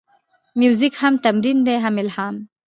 موزیک هم تمرین دی، هم الهام.